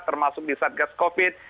termasuk di saat gas covid